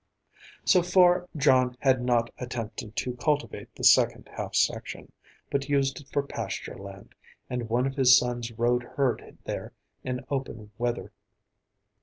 So far John had not attempted to cultivate the second half section, but used it for pasture land, and one of his sons rode herd there in open weather.